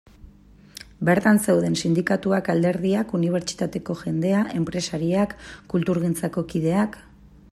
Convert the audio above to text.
Bertan zeuden sindikatuak, alderdiak, unibertsitateko jendea, enpresariak, kulturgintzako kideak...